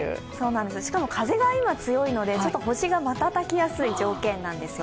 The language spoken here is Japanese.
しかも風が今強いので、星が瞬きやすい条件なんですよ。